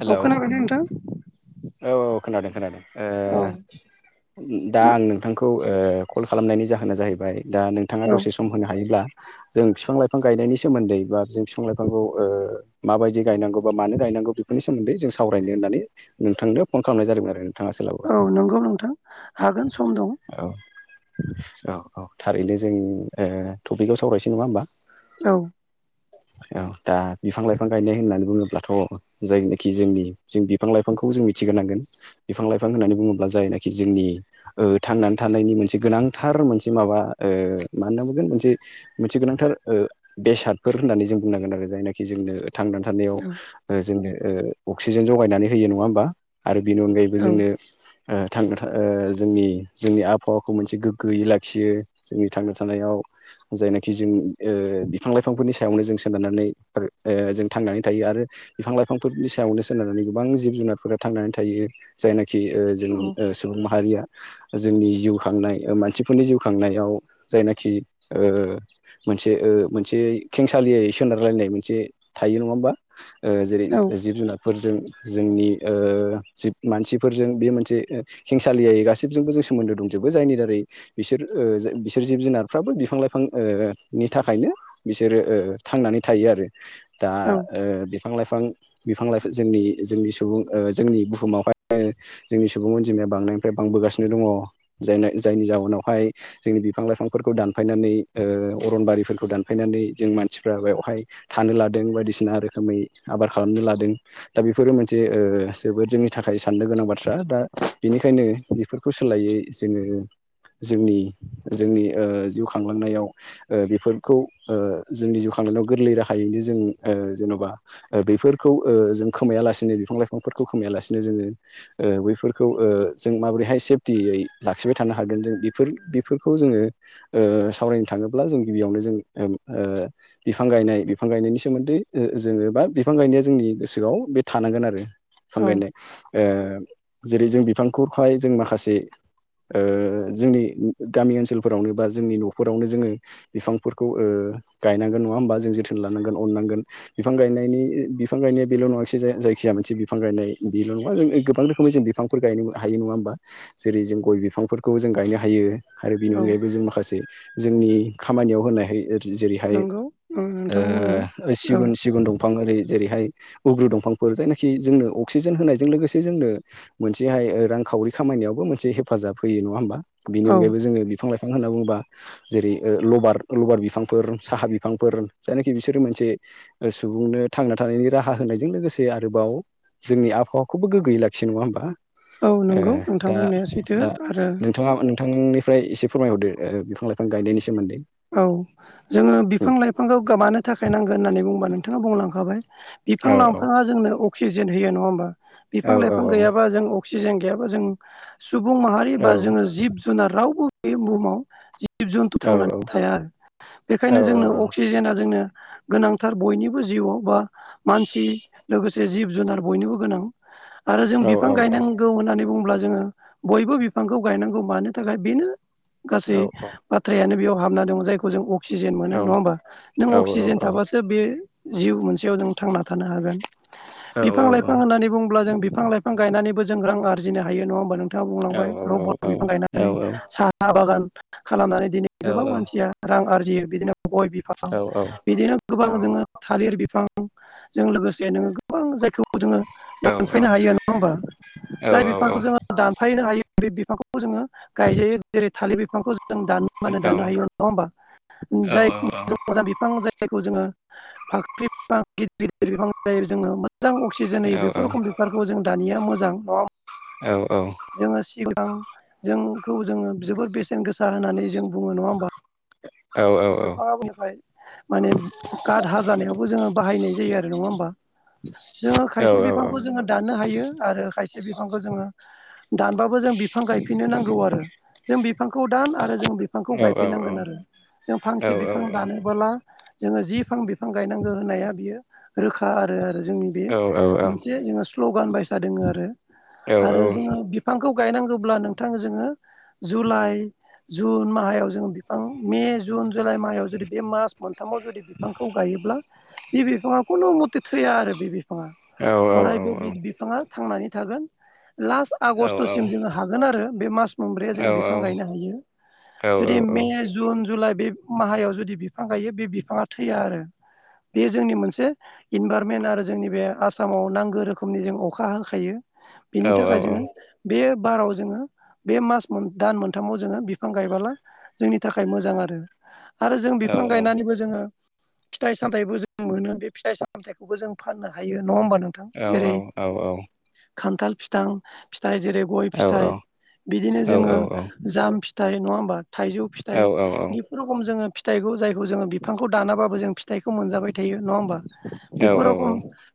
हेल' औ खोनाबायना नोंथां? औ खोनादों खोनादों ओ औ दा आं नोंथांखौ ओ कल खालामनायनि जाहोना जाहैबाय दा नोंथाङा औ दसे सम होनो हायोब्ला जों बिफां लाइफां गायनायनि सोमोन्दै बा जों बिफां लाइफांखौ ओ माबायदि गायनांगौ बा मानो गायनांगौ बे नि सोमोन्दै जों सावरायनो होननानै नोंथांनो फन खालामनाय जादोंमोन आरो नोंथाङा सोलाबोबा औ नंगौ नोंथां हागोन सम दं । औ औ औ थारैनो जों ओ टपिकआव सावरायसै नङा होमबा? औ । औ दा बिफां लाइफां गायनाय होननानै बुङोब्लाथ' जायनाखि जोंनि जों बिफां लाइफांखौ जों मिथिग्रोनांगोन बिफां लाइफां होननानै बुङोब्ला जायनाखि जोंनि ओ थांनानै थानायनि मोनसे गोनांथार मोनसे माबा मा होनना बुंगोन मोनसे मोनसे गोनांथार ओ बेसादफोर होननानै जों बुंनांगोन आरो जायनाखि जोंनो थांनानै थानायाव औ ओ जोंनो अक्सिजेन जगायनानै होयो नङा होमबा? आरो बेनि अनगायैबो औ जोंनो ओ थांनोथा ओ जोंनि जोंनि आबहावाखौ मोनसे गोग्गोयै लाखियो जोंनि थांना थानायाव। जायनाखि जों ओ बिफां लाइफांफोरनि सायावनो जों सोनारनानै ओ जों थांनानै थायो। आरो बिफां लाइफांफोरनि सायावनो सोनारनानै गोबां जिब जुनारफोरा थांनानै थायो जायनाकि खि ओ जों औ ओ सुबुं माहारिया जोंनि जिउ खांनाय ओ मानसिफोरनि जिउ खांनायाव जायनाखि ओ मोनसे ओ ओ मोनसेयै खेंसालियै सोनारलायनाय मोनसे थायो नंङा होमबा ओ जेरै। जिब जुनारफोरजों जोंनि ओ जिब मानसिफोरजों बि मोनसे ओ हिंसालियै गासिबजों। निजों सोमोन्दो दंजोबो जायनिदारै बिसोर ओ बिसोर जिब जुनारफ्राबो बिफां लाइफां ओ निथा। थाखायनो बिसोरो ओ थांनानै थायो आरो दा औ ओ बिफां लाइफां। बिफां लाइफ जोंनि जोंनि सुबुं ओ जोंनि बुहुमावहाय जोंनि सुबुं अनजिमाया बांनायनिफ्राय बां। बांबोगासिनो दंङ जायना जायनि जाउनावहाय जोंनि बिफां लाइफांफोरखौ दानफायनानै औ। अरनबारिफोरखौ दानफायनानै जों मानसिफ्रा बेवहाय थानो लादों बायदिसिना रोखोमै आबाद। खालामनो लादों दा बेफोरो मोनसे ओ जोबोद जोंनि थाखाय साननो गोनां बाथ्रा दा बेनिखायनो। बे बेफोरखौ सोलायै जोंङो। जोंनि जोंनि ओ जिउ खांलांनायाव ओ बेफोरखौ ओ जोंनि जिउ खा। मानोनायाव गोरलै राहायैनो जों ओ जेन'बा। ओ बेफोरखौ ओ जों खोमायालासिनो बिफां लाइफांफोरखौ खोमायालासिनो जोंङो ओ बैफोरखौ ओ। जों माबोरैहाय सेफटियै लाखिबाय थानो हागोन जों बेफोर बेफोरखौ जोंङो ओ सावरायनो था। थांङोब्ला जों गिबियावनो जों ओ ओ बिफां गायनाय बिफां गायनायनि सोमोन्दै ओ जोंङो बा। बिफां गायनाया जोंनि गोसोआव बे थानांगोन आरो बिफां औ गायनाय। ओ जेरै जों बिफांखौहाय जों माखासे। ओ जोंनि गामि ओनसोलफोरावनो बा जोंनि न'फोरावनो जोंङो बिफांफोरखौ ओ। गायनांगोन नंङा होमबा जों जोथोन लानांगोन अननांगोन बिफां गायनायनि। बि बिफां गायनाया बेल' नंङा खि जाया जायखिया मोनसे बिफां गायनाय बेल। नंङा होमबा जेरै जों गय बिफांफोरखौ जों गायनो हायो। आरो बेनि औ अनगायैबो जों माखासे जोंनि खामानियाव होनायहाय। जि जेरैहाय नंगौ नोंथां बुंनाया ओ औ सिगुन सिगुन दंफां ओरै। जेरैहाय उग्रु दंफांफोर जायनाखि जोंनो अक्सिजेन होनायजों लोगोसे जोंनो मोनसेहाय रां। खावरि खामानियावबो मोनसे हेफाजाब होयो नंङा होमबा बिनि औ अनायबो जोंङो बिफां लाइफां। फां होनना बुंङोबा जेरै ओ लबार लबार बिफांफोर साहा बिफांफोर जायनाखि बिसोरो मोनसे। ओ सुबुंनो। थांना थानायनि राहा होनायजों लोगोसे आरोबाव जोंनि आबहावाखौबो गोग्गोयै लाखियो नंङा होमबा। औ ओ नंगौ नोंथां दा बुंनाया सैथो दा आरो नोंथांङा नोंथांनि। ओफ्राय इसे फोरमायहरदो ओ बिफां लाइफां गायनायनि सोमोन्दै। औ जोंङो बिफां लाइफांखौ गोमानो थाखाय नांगो होननानै बुंङोबा नोंथांङा बुंलांखाबाय। औ बिफां लांफांङा जोंनो अक्सिजेन होयो नंङा होमबा औ बिफां औ लाइफां गैयाबा जों। अक्सिजेन गैयाबा जों सुबुं माहारि बा औ औ जोंङो जिब जुनार रावबो बे बुहुमाव। जिब जन्थु औ थांनानै थाया बेखायनो जोंनो अक्सिजेना जोंनो। गोनांथार बयनिबो जिउआव बा मानसि लोगोसे जिब जुनार बयनोबो गोनां। आरो जों औ बिफां औ गायनांगौ होननानै बुंङोब्ला जोंङो बयबो बिफांखौ गायनांगौ मानो थाखाय बेनो। गासै बाथ्रायानो बेयाव हाबना दंङ जायखौ जों। अक्सिजेन मोनो नंङा होमबा नों औ अक्सिजेन थाबासो बे जिउ मोनसेयाव जों थांना थानो हागोन। बिफां लाइफां होननानै बुंङोब्ला जों बिफां लाइफां गायनानैबो जों रां आरजिनो हायो नंङा होमबा नों। बिथांङा बुंलांबाय रबर बिफां गायनानै साहा बागान खालामनानै। दिनै गोबां मानसिया रां आरजियो बिदिनो गय बिफां बिदिनो गोबां जोंङो थालिर बि। बिफांजों लोगोसे नोंङो। गोबां जायखौ जोंङो दानफायनो हायो नंङा होमबा जाय बिफांखौ जोंङो दानफायनो हायो। बे बिफांखौबो जोंङो गायजायो जेरै थालिर बिफांखौ जों दान। मानो दानो हायो नंङा होमबा जायखौ जों मोजां बिफां जायखौ जोंङो। फाख्रि बिफां गिदिर गिदिर बिफां जायो जोंङो मोजां अक्सिजेन होयो बेफोर रखम बिफारखौ जों दा। निया मोजां नङा होमबा जोङो सिगां जोंखौ जोङो जोबोर बेसेन गोसा होननानै जों बुङो नङा होमबा? बिफां बेनिखाय माने गाड हाजानायावबो जोङो बाहायनाय जायो आरो। नङा होमबा? जोङो खायसे बिफांखौ जोङो दाननो हायो आरो खायसे बिफांखौ जोङो दानबाबो जों बिफां गायफिननो नांगौ आरो जों बिफांखौ दान आरो जों बिफांखौ गायफिननांगोन आरो जों फांसे बिफां दानोबोला जोङो जि फां बिफां बिफां गायनांगौ होनाया बियो रोखा आरो जोंनि बे मोनसे जोंहा स्ल'गान बायसा दोङो आरो आरो जोङो बिफांखौ गायनांंगौब्ला नोंथां जोङो जुलाइ जुन माहायाव जों बिफां मे जुन जुलाइ माइायाव जुदि बे मास मोनथामाव जुदि बिफांखौ गायोब्ला बे बिफाङा खुनु मथे थैया आरो बे बिफाङा अरायबो बे बिफाङा थांनानै थागोन लास्ट आगष्ट'सिम जोङो हागोन आरो बे मास मोनब्रैया जोङो बिफां गायनो हायो। जुदि मे जुन जुलाइ बे माहायाव जुदि बिफां गायो बे बिफाङा थैया आरो। बे जोंनि मोनसे इनभारमेन्ट आरो जोंनि बे आसामाव नांगौ रोखोमनि जों अखा हाखायो। बेनि थाखाय जोङो बे बाराव जोङो बे मास दान मोनथामाव जोङो बिफां गायबोला जोंनि थाखाय मोजां आरो आरो जों बिफां गायनानैबो जोङो फिथाइ सामथायाइबो जों मोनो बे फिथाइ सामथायाइखौबो जों फाननो हायो। नङा होमबा नोंथां? जेरै खान्थाल फिथां फिथाइ जेरै गय फिथाइ बिदिनो जोङो जाम फि थाइ नङा होमबा थाइजौ फिथाइ बि खम जोङो फिथाइखौ जायखौ जोङो बिफांखौ दानाबाबो जों फिथाइखौ मोनजाबाय थायो नङा होमबा? औ बेफोर रखम औ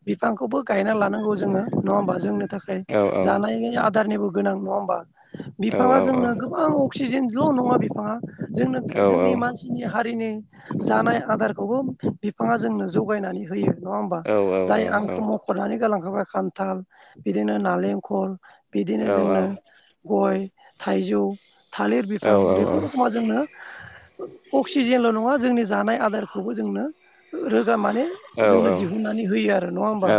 बिफांखौबो गायना लानांगौ जोङो नङा होमबा? जोंनो थाखाय औ औ जानायनि आदारनिबो गोनां नङा होमबा? औ बिफाङा औ जोंनो गोबां अक्सिजेन ल' नङा बिफाङा जोंनो जोंनि मानसिनि हारिनि जानाय आदारखौबो बिफाङा जोंनो जगायनानै होयो नङा होमबा? जाय आंखौ मख'नानै गालांखाबाय खान्थाल बिदिनो नालेंखर बिदिनो जोंनो गय थाइजौ थालिर बिफां बेफोर रखोमा जोंनो अक्सिजेनल' नङा जोंनि जानाय आदारखौबो जोंनो लो गोया माने जोंनो दिहुननानै होयो आरो नङा होमबा?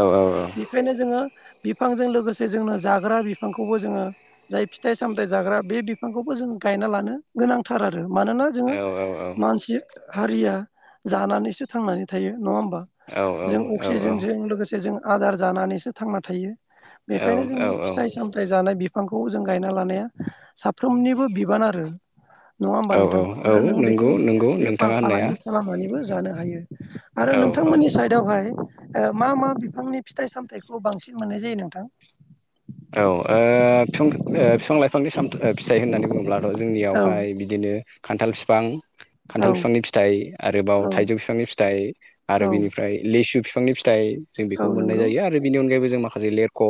बेखायनो जोङो बिफांजों लोगोसे जोंनो जाग्रा बिफांखौबो जोङो जाय फिथाइ सामथायाइ जाग्रा बे बिफांखौबो जों गायना लानो गोनांथार आरो। मानोना जोङो मानसि हारिया जानानैसो थांनानै थायो नङा होमबा? जों अक्सिजेनजों लोगोसे जों आदार जानानैसो थांना थायो बेखायनो जोंनो औ औ औ फिथाइ सामथायाइ जानाय बि बिफांखौ जों गायना लानाया साफ्रोमनिबो बिबान आरो नङा होमबा नोंथां? औ आरो नोङो बेखौ नंगौ नंगौ बेफार नोंथाङा होननाया फालांगि खालामनानैबो जानो हायो आरो औ औ नोंथांमोननि साइडआवहाय ओ मा मा बिफांनि फिथाइ सामथायाइखौ बांसिन मोननाय जायो नोंथां? औ ओ फिफां ओ फिफां लाइफांनि साम फिथाइ होननानै बुङोब्लाथ' औ जोंनियावहाय बिदिनो खान्थाल फिफां औ खान्थाल बिफांनि फिथाइ आरोबाव थाइजौ औ बिफांनि फिथाइ आरो औ बिनिफ्राय लिसु बिफांनि फि थाइ जों बेखौ औ मोननाय नंगौ जायो आरो बेनि अनगायैबो जों माखासे लेरख'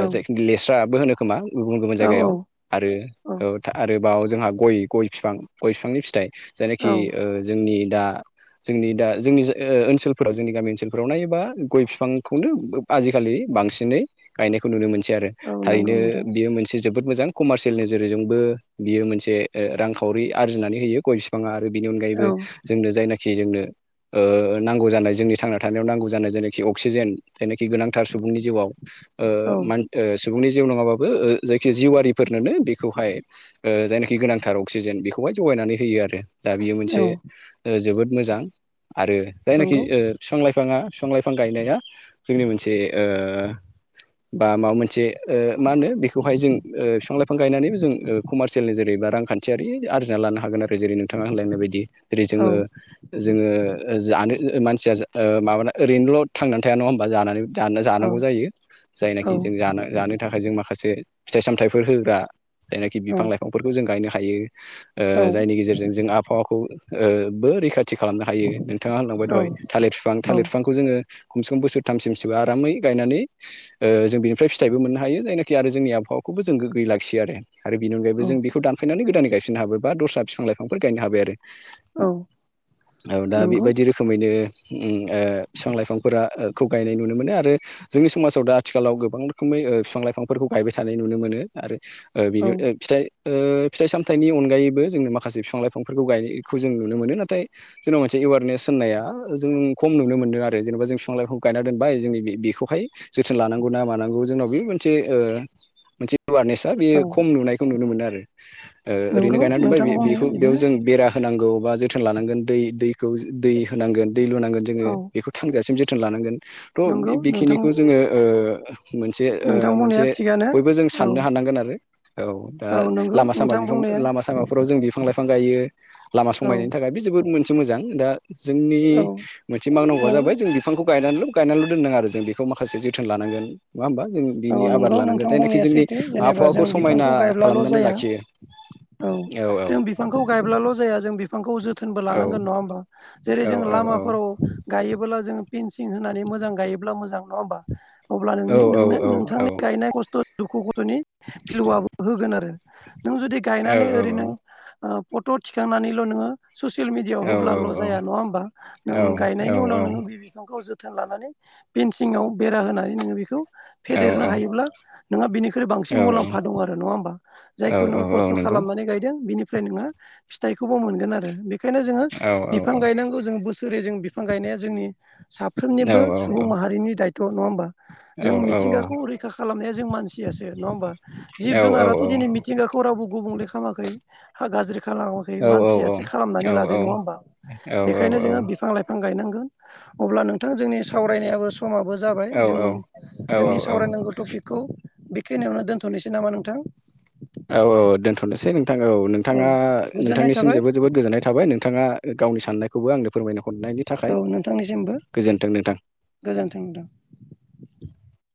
औ जायखिनि लेस [unintelligible] बो होनो खोमा गुबुन गुबुन औ जायगायाव औ आरो औ आरोबाव जोंहा गय गय बिफां गय बिफांनि फिथाइ जायनाखि औ ओ जोंनि दा जोंनि दा जोंनि ओ ओनसोलफोराव जोंनि गामि ओनसोलफोराव नायोबा गय बिफांखौनो आजिखालि बांसिनै गायनायखौ नुनो मोनसै आरो औ नंगौ थारैनो नोंथां बेयो मोनसे जोबोद मोजां कमारसियेल नोजोरजोंबो बियो मोनसे ओ रांखावरि आरजिनानै होयो गय बिफाङा बिनि अनगायैबो औ जोंनो जायना खि जोंनो ओ नांगौ जानाय जोंनि थांना थानायाव नांगौ जानाय जेनाखि अक्सिजेन जायनाखि गोनांथार सुबुंनि जिउआव ओ औ मान ओ सुबुंनि जिउ नङाबाबो बो ओ जायखि जिउआरिफोरनोनो बेखौहाय ओ जायना खि गोनांथार अक्सिजेन बेखौहाय जगायनानै होयो आरो दा बियो मोनसे औ ओ जोबोद मोजां। आरो जायनाखि नंगौ ओ बिफां लाइफाङा बिफां लाइफां गायनाया जोंनि मोनसे ओ बा माबा मोनसे ओ मा होनो बेखौहाय जों ओ बिफां लाइफां बिफां गायनानैबो जों ओ कमारसियेलनि जेरैबा रांखान्थियारि आरजिना लानो हागोन आरो जेरै नोंथाङा होलांनाय बायदि जेरै औ जोङो जोङो जानो मानसिया माबाना ओरैनोल' थांनानै थाया नङा होमबा औ जानानै-जानांगौ जायो। औ जायनाखि जों जानो जानो थाखाय जों माखासे फिथाइ सामथाइफोर होग्रा जायनाखि औ बिफां लाइफांफोरखौ जों गायनो हायो ओ जायनि गेजेरजों जों आबहावाखौ ओ बो रैखाथि खालामनो हायो नोंथाङा होनलांबाय औ दहाय थालिर बिफां थालिर बिफांखौ जोङो खमसे खम बोसोरथामसिमसोबो आरामै गायनानै ओ जों बिनिफ्राय फिथाइबो मोननो हायो जायनाखि आरो जोंनि आबहावाखौबो जों गोग्गोयै लाखियो आरो आरो बिनि अनगायैबो औ जों बेखौ दानफायनानै गोदानै गायफिननो हाबाय बा दस्रा बिफां लाइांफोर गायनो हाबाय आरो औ दा नंगौ बेबायदि रोखोमैनो उम‌ ओ बिफां लाइफांफोरा खौ गायनाय नुनो मोनो आरो जों समाजाव दा आथिखालाव गोबां ओ रोखोमै बिफां लाइफांफोरखौ गायबाय थानाय नुनो मोनो आरो बिनि औ फिथाइ ओ फिथाइ सामथाइनि अनगायैबो जोंनो माखासे फिफां लाइफांफोरखौ गायनायखौ जों नुनो मोनो नाथाय जोंनाव मोनसे एवारनेस होननाया जों खम नुनो मोनदों आरो जेनेबा जों बिफां लाइफां गायना दोनबाय जोंनि बे-बेखौहाय जोथोन लानांगौ ना मानांगौ जोंनाव बे मोनसे ओ मोनसे एवारनेसा बेयो औ खम नुनायखौ नुनो मोनो आरो ओ नंगौ ओरैनो गायना दोनबाय नोंथां बुंनाया बे-बेखौ बेयाव बिदिनो जों बेरा होनांगौ बा जोथोन लानांगोन दै दैखौ दै होनांगोन दै लुनांगोन जोङो औ बेखौ थांजासिम जो थोन लानांगोन थ नंगौ बेखिनिखौ जोङो नोंथां ओ मोनसे नोंथां ओ मोनसे बुंनाया थिगानो बयबो जों औ साननो हानांगोन आरो औ दा औ नंगौ लामा सामा नोंथां बिफां बुंनाया लामा सामाफोराव जों बिफां लाइफां गायो लामा औ संबायनायनि थाखाय बे जोबोद मोन से मोजां दा जोंनि औ मोनसे मावनांगौआ नंगौ जाबाय जों बिफांखौ गाय गायनानैल' दोनदों आरो जों बे बेखौ माखासे जोथोन लानांगोन। नङा होमबा जों बिनि औ आबाद नंगौ लानांगोन नोंथां जायनाखि बुंनाया जोंनि सैथो जेनेबा आबहावाखौ जों समायना बिफांखौ गायब्लाल' खालामनानै जाया लाखियो। औ जों बिफांखौ गायब्लाल' जाया जों बिफांखौ जो जोथोनबो लानांगोन नङा होमबा जेरै जों लामाफोराव गायोबोब्ला जों फेनसिं होनानै मोजां गायोब्ला मोजां नङा होनबा अब्ला नोंनि नोंथांनि गायनाय खस्थ' दुखु गथ'नि फिलुआबो होगोन आरो नों जुदि गायनानै ओरैनो ओ फट' थिखांनानैल' नोङो ससियेल मिडियाआव होब्लाल' जाया नङा होमबा नों गायनायनि उनाव नोङो बे बिफांखौ जोथ थोन लानानै फेनसिंआव बेरा होनानै नोङो बेखौ फेदेरनो हायोब्ला नोंहा बेनि फ्राय औ बांसिन मुलाम्फा दङ आरो नङा होमबा जायखौ नों औ औ खस्थ' नंगौ खालामनानै गायदों बिनिफ्राय नोङो फिथायखौबो मोनगोन आरो बे बेखायनो जोङो औ औ बिफां गायनांगौ जोङो बोसोरै जों बिफां गायनाया जोंनि औ साफ्रोमनिबो सुबुं माहा हारिनि दायथ' नङा होमबा। औ जों औ मिथिंगाखौ रैखा खालामनाया जों मानसियासो नङा होमबा औ जिब औ जुनाराथ' दिनै मिथिंगाखौ रावबो गुबुंले खा खालामाखै हा गाज्रि खालामाखै मानसियासो खालामनानै औ औ लादों नङा होमबा बेखायनो औ जोङो बिफां लाइफां गायनांगौ। अब्ला नोंथां जोंनि सावरायनायाबो समाबो जाबाय औ जों जोंनि सावरायनांगौ टपिकखौ बेखिनियावनो दोन्थ'नोसै नामा नोंथां? औ औ औ दोनथ'नोसै नोंथां औ नोंथाङा गोजोननाय नोंथांनिसिम थाबाय जोबोद जोबोद गोजोननाय थाबाय नोंथाङा गावनि साननायखौबो आंनो फोरमायना हरनायनि थाखाय औ नोंथांनिसिमबो गोजोन्थों नोंथां। गोजोन्थों नोंथां।